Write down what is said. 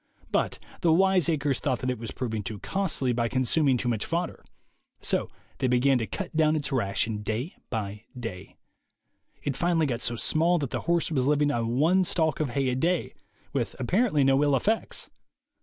But the wiseacres thought that it was prov ing too costly by consuming too much fodder. So they began to cut down its ration, day by day. It finally got so small that the horse was living on one stalk of hay a day, with apparently no ill effects.